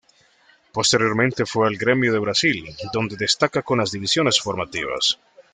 Posteriormente fue al Grêmio de Brasil donde destaca con las divisiones formativas.